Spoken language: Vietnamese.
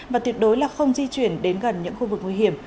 và tuyệt đối là không di chuyển đến gần những khu vực nguy hiểm